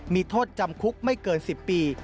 มีโทษจำคุกไม่เกิน๑๐ปี